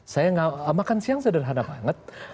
saya makan siang sederhana banget